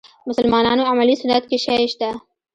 مسلمانانو عملي سنت کې شی شته.